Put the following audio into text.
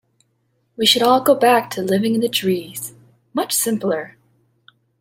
We should all go back to living in the trees, much simpler.